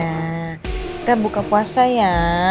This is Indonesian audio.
kita buka puasa ya